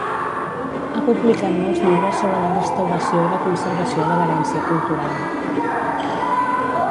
Ha publicat molts llibres sobre la restauració i la conservació de l'herència cultural.